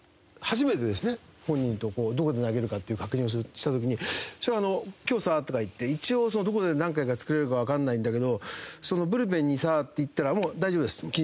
本人とどこで投げるかっていう確認をした時に「翔平あの今日さ」とか言って「一応どこで何回か作れるかわからないんだけどブルペンにさ」って言ったらもう。